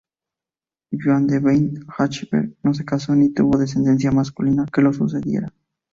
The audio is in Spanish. Juan de Baden-Hachberg no se casó ni tuvo descendencia masculina que lo sucediera.